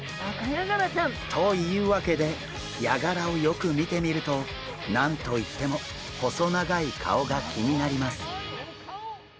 というわけでヤガラをよく見てみると何と言っても細長い顔が気になります。